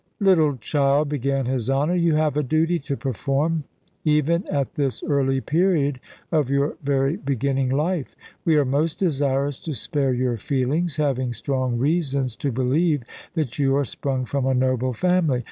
"Little child," began his Honour, "you have a duty to perform, even at this early period of your very beginning life. We are most desirous to spare your feelings, having strong reasons to believe that you are sprung from a noble family.